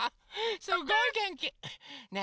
すごいげんき！ね